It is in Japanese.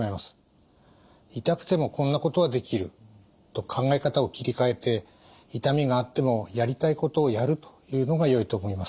「痛くてもこんなことはできる」と考え方を切り替えて痛みがあってもやりたいことをやるというのがよいと思います。